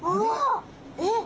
えっ？